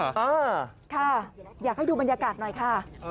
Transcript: เออค่ะอยากให้ดูบรรยากาศหน่อยค่ะ